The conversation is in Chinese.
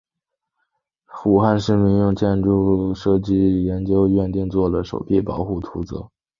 武汉市民用建筑设计研究院定做了首批保护图则。